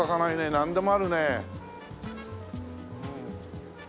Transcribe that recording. なんでもあるね。